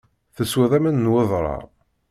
Teswiḍ aman n wedrar.